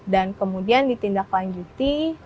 dan kemudian ditindaklanjuti